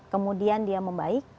kemudian dia membaik